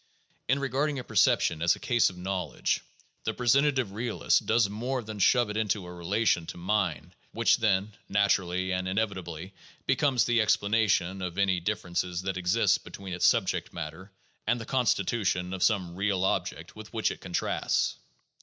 In regarding a perception as a case of knowledge, the presentative realist does more than shove into it a relation to mind which then, naturally and inevitably, becomes the explanation of any differences that exist between its subject matter and the constitution of some real object with which it contrasts.